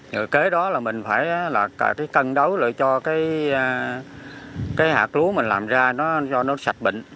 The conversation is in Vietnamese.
rồi kế đó là mình phải cân đấu lại cho cái hạt lúa mình làm ra cho nó sạch bệnh